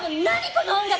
この音楽。